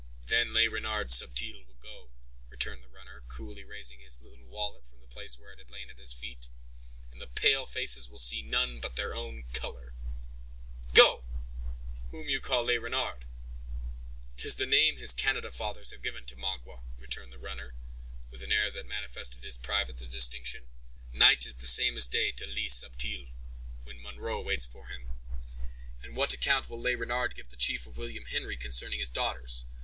"Then Le Renard Subtil will go," returned the runner, coolly raising his little wallet from the place where it had lain at his feet; "and the pale faces will see none but their own color." "Go! Whom call you Le Renard?" "'Tis the name his Canada fathers have given to Magua," returned the runner, with an air that manifested his pride at the distinction. "Night is the same as day to Le Subtil, when Munro waits for him." "And what account will Le Renard give the chief of William Henry concerning his daughters?